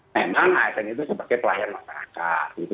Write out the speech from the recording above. memang asn itu sebagai pelayan masyarakat